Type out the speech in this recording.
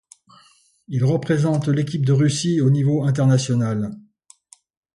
Il représente l'équipe de Russie au niveau international.